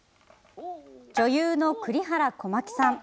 女優の栗原小巻さん。